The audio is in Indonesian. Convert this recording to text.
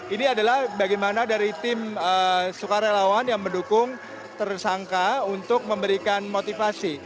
ini adalah bagaimana dari tim sukarelawan yang mendukung tersangka untuk memberikan motivasi